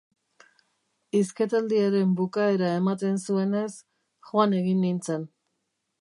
Hizketaldiaren bukaera ematen zuenez, joan egin nintzen.